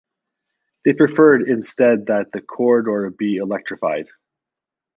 They preferred instead that the corridor be electrified.